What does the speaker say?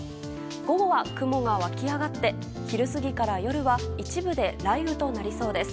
午後は雲が湧き上がって昼過ぎから夜は一部で雷雨となりそうです。